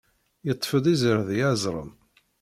Yeṭṭef-d izirdi azrem.